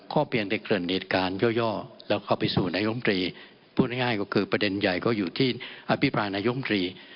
ก็เพียงแต่เกินเหตุการณ์ย่อแล้วเข้าไปสู่นายมตรีพูดง่ายก็คือประเด็นใหญ่ก็อยู่ที่อภิปรายนายมตรี